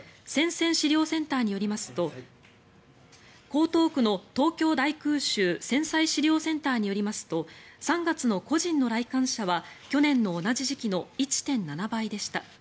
江東区の東京大空襲・戦災資料センターによりますと３月の個人の来館者は去年の同じ時期の１．７倍でした。